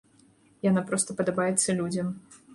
Яна проста падабаецца людзям.